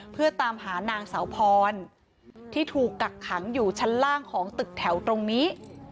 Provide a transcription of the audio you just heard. เพื่อตามหานางสาวพรที่ถูกกักขังอยู่ชั้นล่างของตึกแถวตรงนี้